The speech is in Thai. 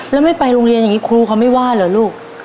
แล้วไม่ไปโรงเรียนอย่างนี้ครูเขาไม่ว่าเหรอลูก